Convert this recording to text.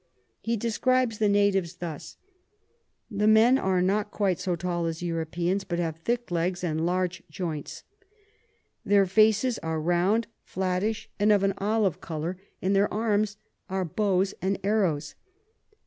_] He describes the Natives thus: The Men are not quite so tall as Europeans, but have thick Legs and large Joints. Their Faces are round, flattish, and of an Olive Colour; and their Arms are Bows and Arrows.